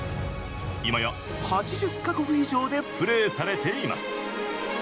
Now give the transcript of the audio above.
今や８０か国以上でプレーされています。